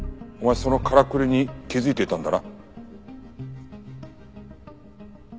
そのからくりに気づいていたんだな？